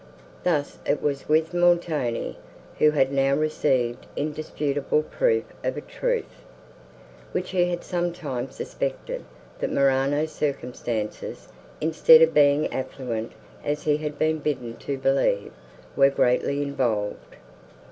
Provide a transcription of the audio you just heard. Thus it was with Montoni, who had now received indisputable proof of a truth, which he had some time suspected—that Morano's circumstances, instead of being affluent, as he had been bidden to believe, were greatly involved.